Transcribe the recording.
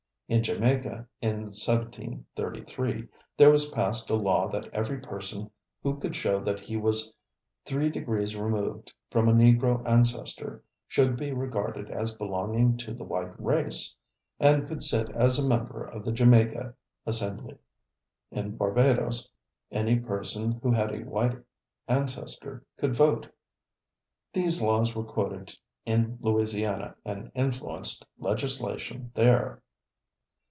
In Jamaica, in 1733, there was passed a law that every person who could show that he was three degrees removed from a Negro ancestor should be regarded as belonging to the white race, and could sit as a member of the Jamaica Assembly. In Barbadoes, any person who had a white ancestor could vote. These laws were quoted in Louisiana and influenced legislation there.